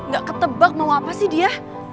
gak ketebak mau apa sih dia